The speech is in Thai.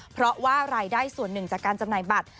เพราะว่ารายได้ส่วนหนึ่งจากการจำหน่ายบัตร